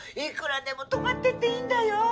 いくらでも泊まっていっていいんだよ。